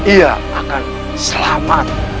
ia akan selamat